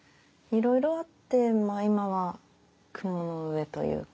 いろいろあって今は雲の上というか。